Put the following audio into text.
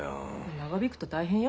長引くと大変よ。